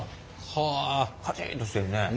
カチッとしてるね。